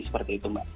seperti itu mbak